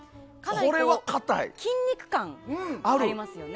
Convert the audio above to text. これは筋肉感ありますよね。